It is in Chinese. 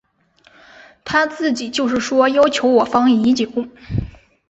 他自己就是说要求我方已久。